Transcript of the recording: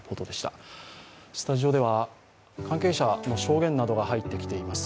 スタジオでは関係者の証言などが入ってきています。